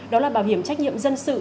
đó là bảo hiểm trách nhiệm dân sự